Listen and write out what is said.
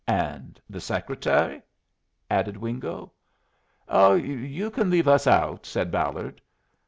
"And the Secretary?" added Wingo. "Oh, you can leave us out," said Ballard.